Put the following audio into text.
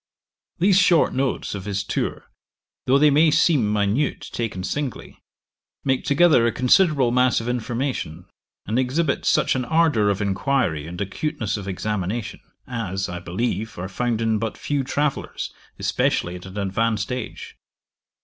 These short notes of his tour, though they may seem minute taken singly, make together a considerable mass of information, and exhibit such an ardour of enquiry and acuteness of examination, as, I believe, are found in but few travellers, especially at an advanced age.